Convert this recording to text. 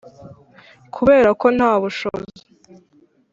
kubera ko nta bushobozi